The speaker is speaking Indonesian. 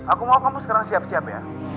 aku mau kamu sekarang siap siap ya